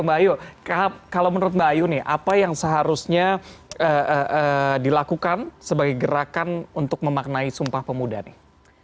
mbak ayu kalau menurut mbak ayu nih apa yang seharusnya dilakukan sebagai gerakan untuk memaknai sumpah pemuda nih